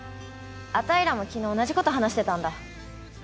あたいらも昨日同じこと話してたんだ。